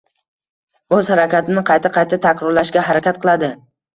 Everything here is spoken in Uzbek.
o‘z harakatini qayta-qayta takrorlashga harakat qiladi.